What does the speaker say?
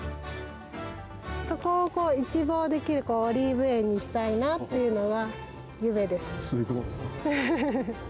そこを一望できるオリーブ園にしたいなというのは夢です。